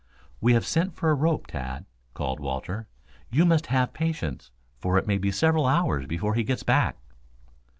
"We have sent for a rope, Tad," called Walter. "You must have patience, for it may be several hours before he gets back."